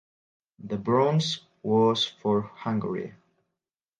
The bronze was for Hungary.